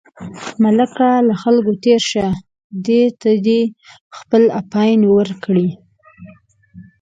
ملکه له خلکو تېر شه، دې ته دې خپل اپین ورکړي.